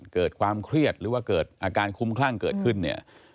เกิดความเครียดหรือว่าเกิดอาการคุ้มคลั่งเกิดขึ้นเนี่ย